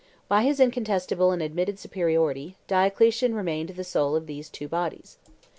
By his incontestable and admitted superiority, Diocletian remained the soul of these two bodies.